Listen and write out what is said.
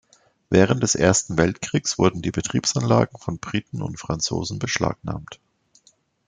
Während des Ersten Weltkriegs wurden die Betriebsanlagen von Briten und Franzosen beschlagnahmt.